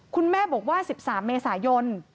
คุณแม่บอกว่า๑๓เมษายน